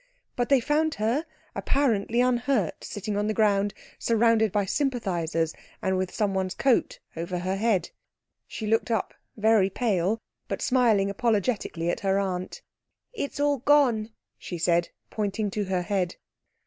But they found her apparently unhurt, sitting on the ground, surrounded by sympathisers, and with someone's coat over her head. She looked up, very pale, but smiling apologetically at her aunt. "It's all gone," she said, pointing to her head.